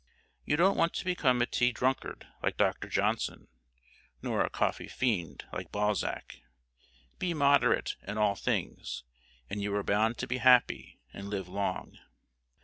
You don't want to become a tea drunkard, like Dr. Johnson, nor a coffee fiend, like Balzac. Be moderate in all things, and you are bound to be happy and live long.